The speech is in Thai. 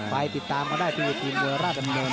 ไปติดตามมาได้พี่นูอาระบรรเดิน